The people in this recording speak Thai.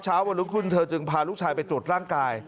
เช้าวันลุงคุณเธอจึงพาลูกชายไปจดร่างกาย